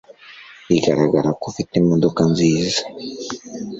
Bigaragara ko ufite imodoka nziza